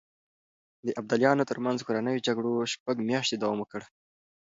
د ابداليانو ترمنځ کورنيو جګړو شپږ مياشتې دوام وکړ.